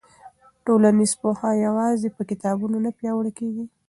ټولنیز پوهه یوازې په کتابونو نه پیاوړې کېږي.